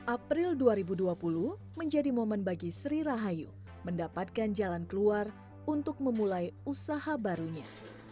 april dua ribu dua puluh menjadi momen bagi sri rahayu mendapatkan jalan keluar untuk memulai usaha barunya